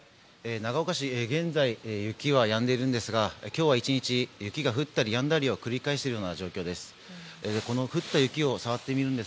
長岡市、現在雪はやんでいるんですが今日は１日雪が降ったりやんだりを繰り返しているような状況です。